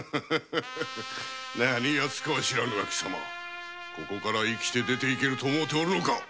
何ヤツか知らぬがここから生きて出て行けると思ってるのか？